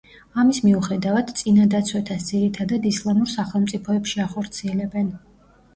ამის მიუხედავად, წინადაცვეთას ძირითადად ისლამურ სახელმწიფოებში ახორციელებენ.